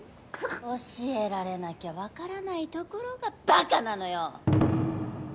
教えられなきゃ分からないところがバカなのよ！